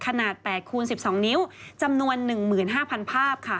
ขนาด๘คูณ๑๒นิ้วจำนวน๑๕๐๐ภาพค่ะ